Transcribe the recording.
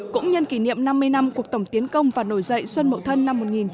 cũng nhân kỷ niệm năm mươi năm cuộc tổng tiến công và nổi dạy xuân mậu thân một nghìn chín trăm sáu mươi tám